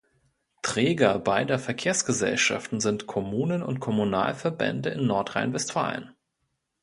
Träger beider Verkehrsgesellschaften sind Kommunen und Kommunalverbände in Nordrhein-Westfalen.